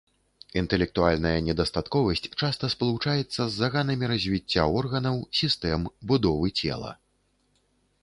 Інтэлектуальная недастатковасць часта спалучаецца з заганамі развіцця органаў, сістэм, будовы цела.